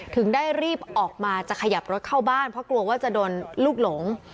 ถึงได้รีบออกมาจะขยับรถเข้าบ้านเพราะกลัวว่าจะโดนลูกหลง